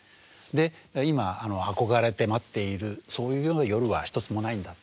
で今憧れて待っているそういうような夜は一つもないんだ。